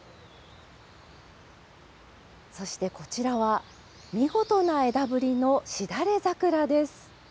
そしてこちらは、見事な枝ぶりのしだれ桜です。